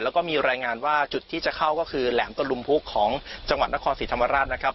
แล้วก็มีรายงานว่าจุดที่จะเข้าก็คือแหลมตะลุมพุกของจังหวัดนครศรีธรรมราชนะครับ